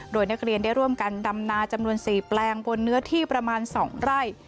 โดยนักเรียนได้ร่วมกันดำนาจำนวน๔แปลงบนเนื้อที่ประมาณ๒ไร่